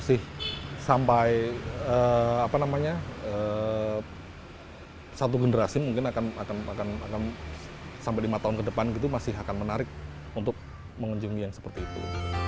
masih sampai satu generasi mungkin akan sampai lima tahun ke depan gitu masih akan menarik untuk mengunjungi yang seperti itu